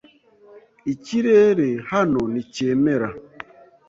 Ikirere hano nticyemera.